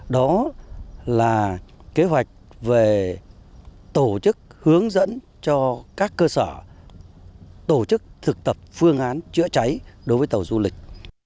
đó là kế hoạch về tổ chức hướng dẫn cho các cơ sở tổ chức thực tập phương án chữa cháy đối với tàu du lịch